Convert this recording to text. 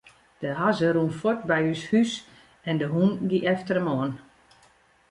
De hazze rûn fuort by ús hús en de hûn gie efter him oan.